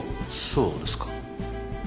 そうですか。